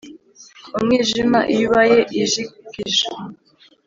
umwijima iyo ubaye ijigija